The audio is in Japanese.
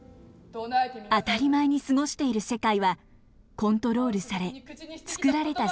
当たり前に過ごしている世界はコントロールされつくられた世界だったのです。